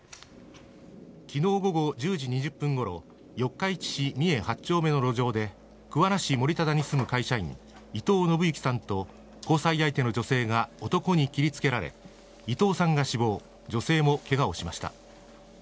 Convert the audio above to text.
きのう午後１０時２０分ごろ、四日市市三重８丁目の路上で、桑名市森忠に住む会社員、伊藤信幸さんと交際相手の女性が男に切りつけられ、伊藤さんが死亡、女性もけがをしました。